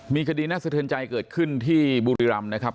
มีคดีน่าสะเทือนใจเกิดขึ้นที่บุรีรำนะครับ